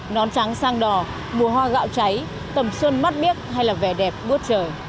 nón trắng sang đỏ mùa hoa gạo cháy tầm xuân mắt biếc hay là vẻ đẹp bút trời